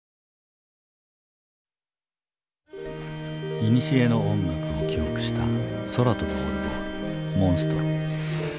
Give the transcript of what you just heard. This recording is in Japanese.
いにしえの音楽を記憶した空飛ぶオルゴール「モンストロ」。